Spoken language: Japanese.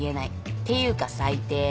っていうか最低。